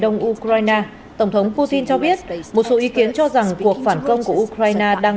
đông ukraine tổng thống putin cho biết một số ý kiến cho rằng cuộc phản công của ukraine đang